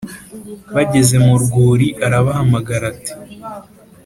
Bageze mu rwuri arabahamagara ati